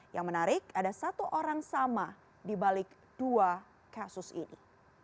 yang menarik ada satu orang sama dibalik dua kasus ini